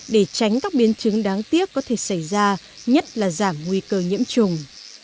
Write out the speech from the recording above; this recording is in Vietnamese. để tránh các biến chứng đáng tiếc có thể xảy ra nhất là giảm nguy cơ nhiễm trùng